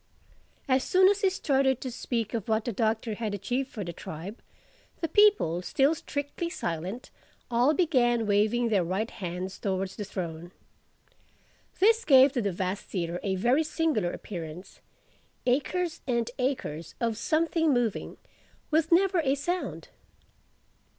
As soon as he started to speak of what the Doctor had achieved for the tribe, the people, still strictly silent, all began waving their right hands towards the throne. This gave to the vast theatre a very singular appearance: acres and acres of something moving—with never a sound.